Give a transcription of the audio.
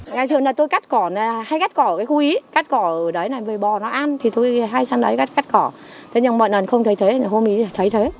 ngày thường là tôi cắt cỏ hay cắt cỏ ở cái khu ý cắt cỏ ở đấy là bò nó ăn thì tôi hay sang đấy cắt cỏ thế nhưng mọi người không thấy thế hôm ấy thấy thế